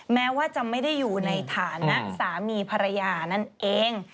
แม้ว่าจะไม่ได้อยู่ในฐานะสามีภรรยานั่นเอง